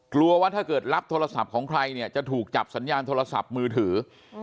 กลัวว่าถ้าเกิดรับโทรศัพท์ของใครเนี่ยจะถูกจับสัญญาณโทรศัพท์มือถือ